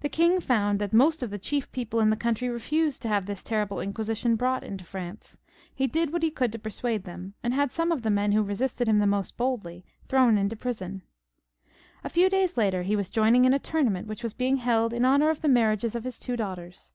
The king found that most of the chief people in the country refused to have this terrible Inquisi tion brought into France. He did what he could to per suade them ; and had some of the men who had resisted him most boldly thrown into prison. A few days later he was joining in a tournament which was being held in honour of the marriages of his two daughters.